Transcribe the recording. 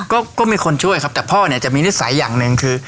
ก็ก็มีคนช่วยครับแต่พ่อเนี่ยจะมีนิสัยอย่างหนึ่งคือ